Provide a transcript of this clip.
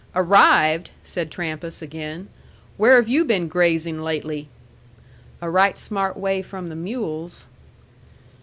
"Arrived!" said Trampas again. "Where have you been grazing lately?" "A right smart way from the mules."